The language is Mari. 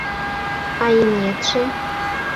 — А имнетше?